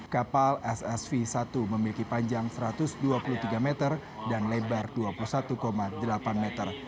kapal ssv satu memiliki panjang satu ratus dua puluh tiga meter dan lebar dua puluh satu delapan meter